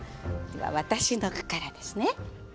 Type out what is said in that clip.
では私の句からですね。